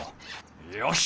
よし！